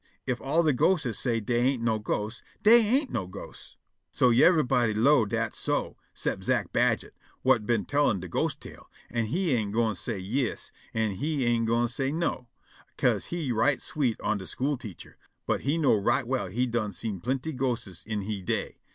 Ef all de ghostes say dey ain' no ghosts, dey ain' no ghosts." So yiver'body 'low' dat so 'cep' Zack Badget, whut been tellin' de ghost tale, an' he ain' gwine say "Yis" an' he ain' gwine say "No," 'ca'se he right sweet on de school teacher; but he know right well he done seen plinty ghostes in he day.